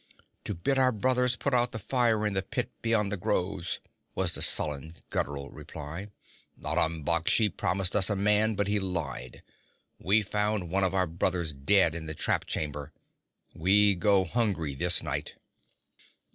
'To bid our brothers put out the fire in the pit beyond the groves,' was the sullen, guttural reply. 'Aram Baksh promised us a man, but he lied. We found one of our brothers dead in the trap chamber. We go hungry this night.'